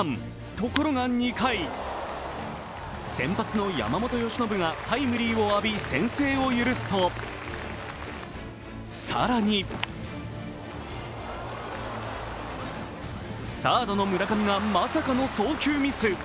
ところが２回、先発の山本由伸がタイムリーを浴び先制を許すと更に、サードの村上がまさかの送球ミス。